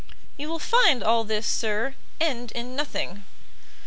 "You will find all this, sir, end in nothing."